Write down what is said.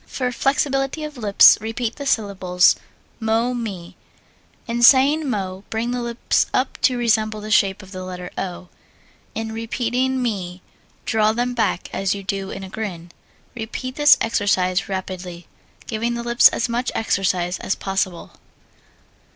For flexibility of lips repeat the syllables, mo me. In saying mo, bring the lips up to resemble the shape of the letter O. In repeating me draw them back as you do in a grin. Repeat this exercise rapidly, giving the lips as much exercise as possible.